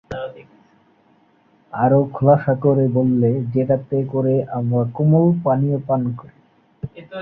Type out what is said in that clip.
আরও খোলাসা করে বললে, যেটাতে করে আমরা কোমল পানীয় পান করি।